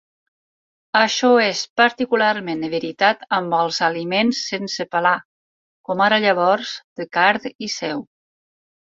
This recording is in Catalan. Això és particularment veritat amb els aliments sense pelar, com ara llavors de card i seu.